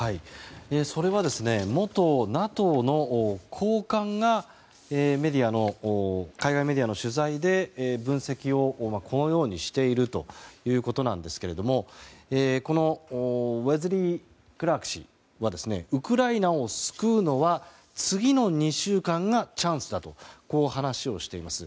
それは元ＮＡＴＯの高官が海外メディアの取材でこのように分析をしているということなんですがウェズリー・クラーク氏はウクライナを救うのは次の２週間がチャンスだと話をしています。